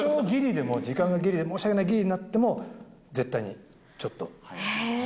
でも、時間がぎりで、申し訳ない、ぎりになっても、絶対にちょっと。